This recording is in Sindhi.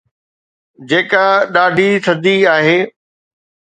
جيڪا ڏاڍي ٿڌي آهي